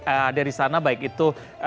ada disana baik itu